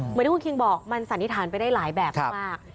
เหมือนที่คุณคิงบอกมันสันนิษฐานไปได้หลายแบบมาก